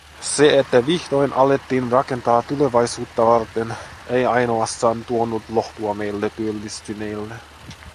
Se, että vihdoin alettiin rakentaa tulevaisuutta varten, ei ainoastaan tuonut lohtua meille työllistyneille.